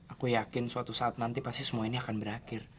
aku yakin suatu saat nanti pasti semua ini akan berakhir